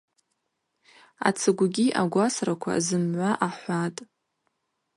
Ацыгвгьи агвасраква зымгӏва ахӏватӏ.